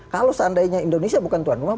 kalau seandainya indonesia bukan tuan rumah